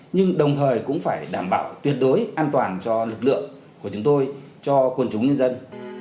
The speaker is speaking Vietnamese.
nhưng đồng thời cũng phải đảm bảo tuyệt đối an toàn cho lực lượng của chúng tôi cho quân chúng nhân dân